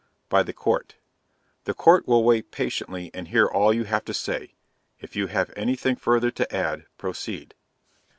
By the Court. The Court will wait patiently and hear all you have to say; if you have any thing further to add, proceed.